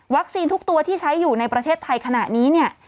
ทุกตัวที่ใช้อยู่ในประเทศไทยขณะนี้เนี่ย